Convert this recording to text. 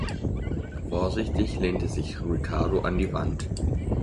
Vorsichtig lehnte sich Ricardo an die Wand.